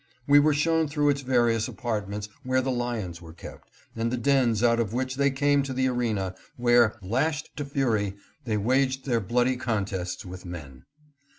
We were shown through its various apartments 688 THE AMPHITHEATER, AT ARLES. where the lions were kept, and the dens out of which they came to the arena, where, lashed to fury, they waged their bloody contests with men.